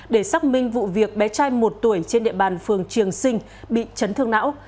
để xác minh vụ việc bé trai một tuổi trên địa bàn phường trường sinh bị chấn thương não